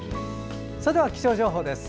それでは気象情報です。